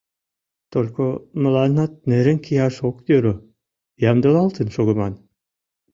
Только мыланнат нерен кияш ок йӧрӧ, ямдылалтын шогыман.